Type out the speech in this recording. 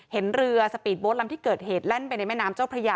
เห็นเรือสปีดโบ๊ทลำที่เกิดเหตุแล่นไปในแม่น้ำเจ้าพระยา